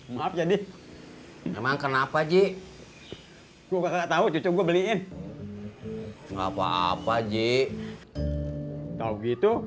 maaf jadi memang kenapa ji gua nggak tahu cukup gue beliin enggak apa apa ji kau gitu